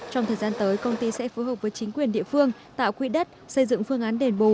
trong thời gian tới công ty sẽ phối hợp với chính quyền địa phương tạo quỹ đất xây dựng phương án đền bù